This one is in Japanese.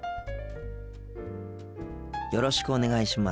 よろしくお願いします。